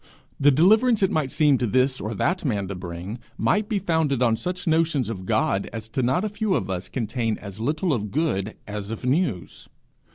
The deliverance it might seem to this or that man to bring, might be founded on such notions of God as to not a few of us contain as little of good as of news.